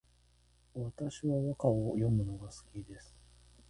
私は和歌を詠むのが好きです